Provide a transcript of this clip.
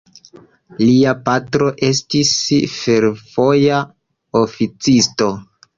Lia patro estis fervoja oficisto.